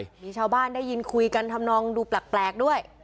มีชาวบ้านได้ยินคุยกันทำนองดูแปลกด้วย